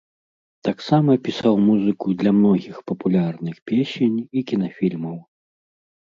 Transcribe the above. Таксама пісаў музыку для многіх папулярных песень і кінафільмаў.